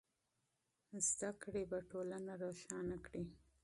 تعلیم به ټولنه روښانه کړئ.